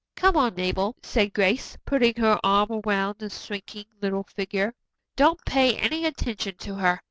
"] "Come on, Mabel," said Grace, putting her arm around the shrinking little figure. "Don't pay any attention to her.